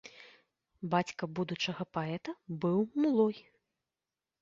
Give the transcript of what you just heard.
Бацька будучага паэта быў мулой.